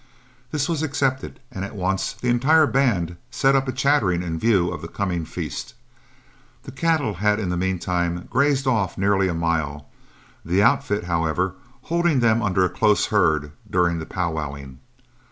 This was accepted, and at once the entire band set up a chattering in view of the coming feast. The cattle had in the mean time grazed off nearly a mile, the outfit, however, holding them under a close herd during the powwowing.